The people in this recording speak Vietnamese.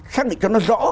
xác định cho nó rõ